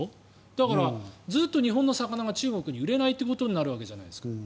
だから、ずっと日本の魚が中国に売れないということになるわけじゃないですか。